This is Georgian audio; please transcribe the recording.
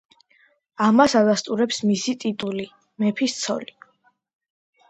ამას ადასტურებს მისი ტიტული „მეფის ცოლი“.